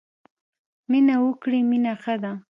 مینه وکړی مینه ښه ده.